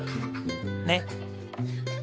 ねっ！